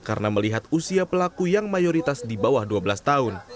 karena melihat usia pelaku yang mayoritas di bawah dua belas tahun